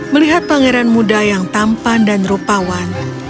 melihat pangeran muda yang tampan dan rupawan